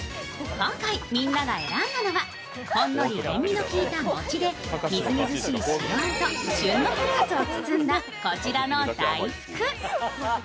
今回、みんなが選んだのはほんのり塩味のきいた餅でみずみずしい白あんと旬のフルーツを包んだ、こちらの大福。